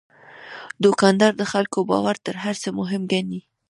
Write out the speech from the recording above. دوکاندار د خلکو باور تر هر څه مهم ګڼي.